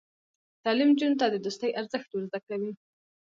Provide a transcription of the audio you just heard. تعلیم نجونو ته د دوستۍ ارزښت ور زده کوي.